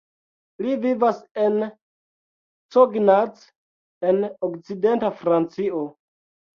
Li vivas en Cognac en okcidenta Francio.